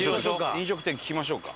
飲食店聞きましょうか。